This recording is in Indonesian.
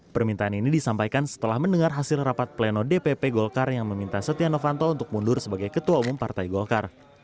permintaan ini disampaikan setelah mendengar hasil rapat pleno dpp golkar yang meminta setia novanto untuk mundur sebagai ketua umum partai golkar